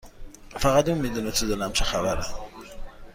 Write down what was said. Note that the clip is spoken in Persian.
فقط اون میدونه تو دلم چه خبره